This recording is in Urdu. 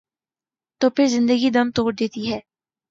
تو پھر زندگی دم توڑ دیتی ہے۔